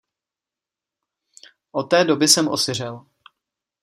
Od té doby jsem osiřel.